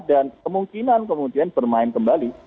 dan kemungkinan kemungkinan bermain kembali